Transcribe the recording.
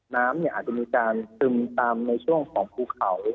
น้ำอาจจะมีการซึมตามในช่วงของภูเขา